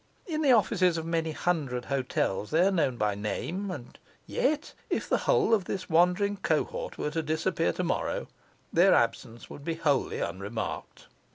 In the offices of many hundred hotels they are known by name; and yet, if the whole of this wandering cohort were to disappear tomorrow, their absence would be wholly unremarked.